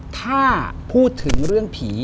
ถ้าพูดถึงเรื่องผี